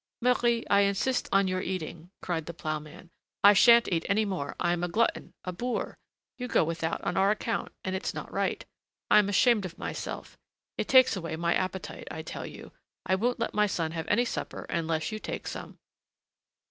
"Marie, I insist on your eating," cried the ploughman; "I shan't eat any more. I am a glutton, a boor; you go without on our account, and it's not right; I'm ashamed of myself. It takes away my appetite, I tell you; I won't let my son have any supper unless you take some."